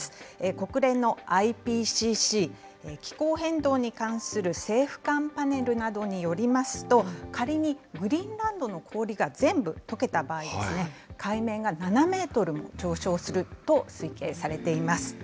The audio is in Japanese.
国連のＩＰＣＣ・気候変動に関する政府間パネルなどによりますと、仮にグリーンランドの氷が全部とけた場合ですね、海面が７メートルも上昇すると推計されています。